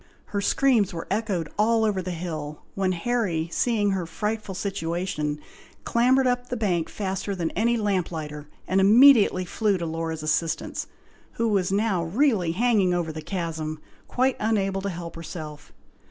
Her screams were echoed all over the hill, when Harry seeing her frightful situation, clambered up the bank faster than any lamplighter, and immediately flew to Laura's assistance, who was now really hanging over the chasm, quite unable to help herself.